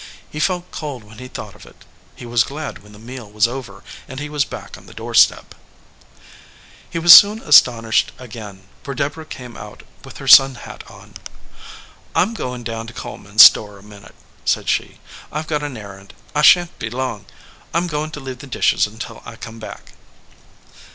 He felt cold when he thought of it. He was glad when the meal was over and he was back on the door step. 123 EDGEWATER PEOPLE He was soon astonished again, for Deborah came out with her sun hat on. "I m going down to Coleman s store a minute," said she. "I ve got an errand. I sha n t be gone long. I m going to leave the dishes until I come back."